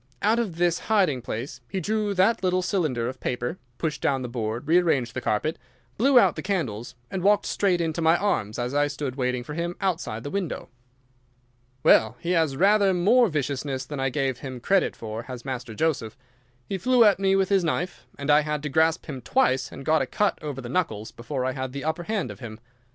Out of this hiding place he drew that little cylinder of paper, pushed down the board, rearranged the carpet, blew out the candles, and walked straight into my arms as I stood waiting for him outside the window. "Well, he has rather more viciousness than I gave him credit for, has Master Joseph. He flew at me with his knife, and I had to grasp him twice, and got a cut over the knuckles, before I had the upper hand of him.